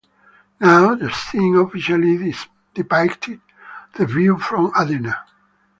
Now the scene officially depicted the view from Adena.